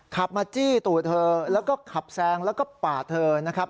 ขับมาจี้ตู่เธอแล้วก็ขับแซงแล้วก็ปาดเธอนะครับ